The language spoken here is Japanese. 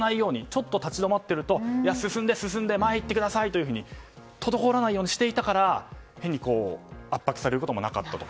ちょっと立ち止まっていると進んで、進んで前へ行ってくださいと滞らないようにしていたから変に圧迫されることもなかったと。